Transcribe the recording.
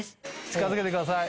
近づけてください。